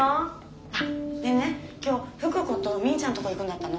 でね今日福子とみーちゃんとこ行くんだったの。